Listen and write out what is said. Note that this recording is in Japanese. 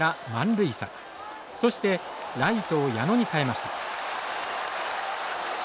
そしてライトを矢野に代えました。